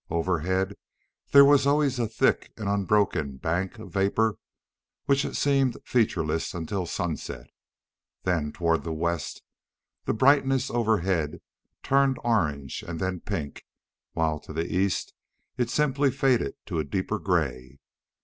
Overhead there was always a thick and unbroken bank of vapor which seemed featureless until sunset. Then, toward the west, the brightness overhead turned orange and then pink, while to the east it simply faded to a deeper gray.